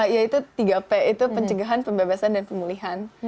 yaitu tiga p itu pencegahan pembebasan dan pemulihan